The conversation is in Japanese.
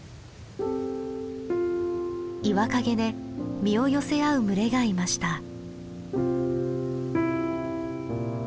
岩陰で身を寄せ合う群れがいました。